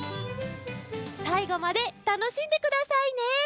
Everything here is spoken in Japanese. さいごまでたのしんでくださいね！